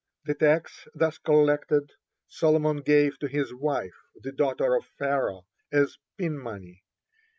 The tax thus collected Solomon gave to his wife, the daughter of Pharaoh, as pin money.